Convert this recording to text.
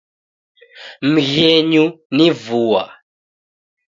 Mghenyu ni vua.